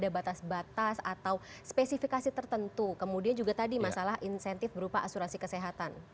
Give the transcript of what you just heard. ada batas batas atau spesifikasi tertentu kemudian juga tadi masalah insentif berupa asuransi kesehatan